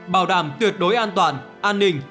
bảo đảm tuyệt đối an toàn an ninh